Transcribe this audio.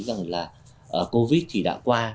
rằng là covid thì đã qua